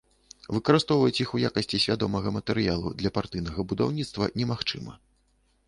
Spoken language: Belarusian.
Выкарыстоўваць іх у якасці свядомага матэрыялу для партыйнага будаўніцтва немагчыма.